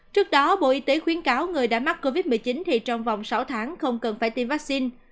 trước đó bộ y tế khuyến cáo người đã mắc covid một mươi chín thì trong vòng sáu tháng không cần phải tiêm vaccine